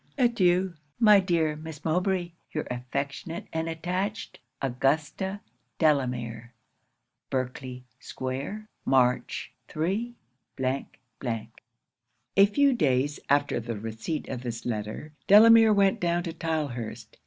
Adieu! my dear Miss Mowbray! your affectionate and attached, AUGUSTA DELAMERE.' Berkley square, March 3. A few days after the receipt of this letter, Delamere went down to Tylehurst.